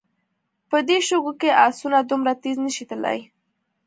په دې شګو کې آسونه دومره تېز نه شي تلای.